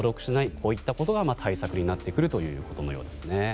こういったことが対策になってくるということのようですね。